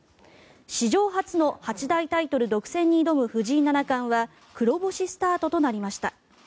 史上初の八大タイトル独占に挑む藤井七冠は黒星スタートとなりました。